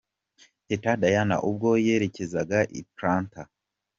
Teta Diana ubwo yerekezaga i Atlanta.